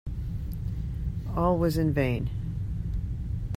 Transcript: All was in vain.